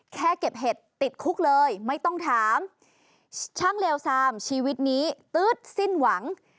แค่เก็บเห็ดติดคุกเลยไม่ต้องถามช่างเลวซามชีวิตนี้ตื๊ดสิ้นหวัง